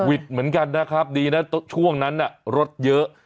ดเหมือนกันนะครับดีนะช่วงนั้นน่ะรถเยอะ